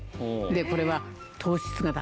でこれは。